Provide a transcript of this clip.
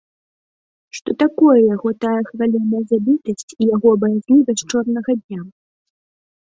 Што такое яго тая хвалёная забітасць і яго баязлівасць чорнага дня?